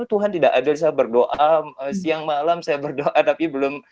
tuhan tidak ada saya berdoa siang malam saya berdoa tapi belum